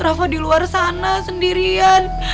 rafa di luar sana sendirian